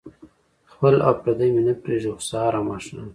خپل او پردي مې نه پرېږدي خو سهار او ماښام.